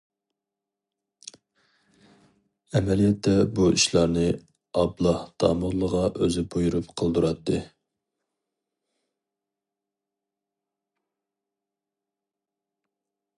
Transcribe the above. ئەمەلىيەتتە بۇ ئىشلارنى ئابلا داموللىغا ئۆزى بۇيرۇپ قىلدۇراتتى.